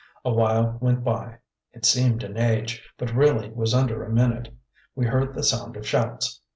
A while went by; it seemed an age, but really was under a minute. We heard the sound of shouts.